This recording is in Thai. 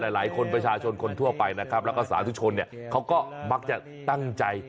หลายคนประชาชนคนทั่วไปนะครับแล้วก็สาธุชนเนี่ยเขาก็มักจะตั้งใจ